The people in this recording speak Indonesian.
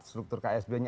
struktur ksb nya